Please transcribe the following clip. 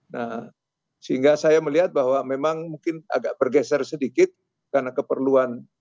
nah sehingga saya melihat bahwa memang mungkin agak bergeser sedikit karena keperluan